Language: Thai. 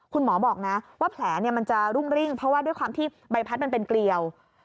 คุณหมอบอกนะว่าแผลมันจะรุ่งริ่งเพราะว่าด้วยความที่ใบพัดมันเป็นเกลียว